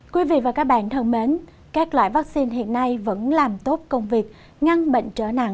quý vị và các bạn thân mến các loại vaccine hiện nay vẫn làm tốt công việc ngăn bệnh trở nặng